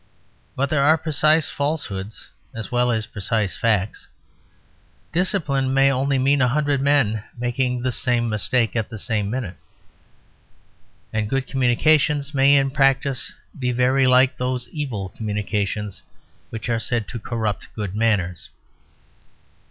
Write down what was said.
But there are precise falsehoods as well as precise facts. Discipline may only mean a hundred men making the same mistake at the same minute. And good communications may in practice be very like those evil communications which are said to corrupt good manners.